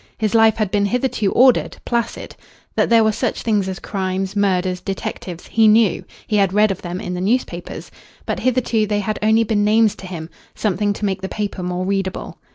His life had been hitherto ordered, placid. That there were such things as crimes, murders, detectives, he knew. He had read of them in the newspapers. But hitherto they had only been names to him something to make the paper more readable.